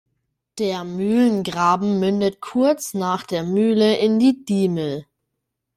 Der Mühlengraben mündet kurz nach der Mühle in die Diemel.